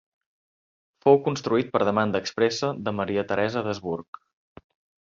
Fou construït per demanda expressa de Maria Teresa d'Habsburg.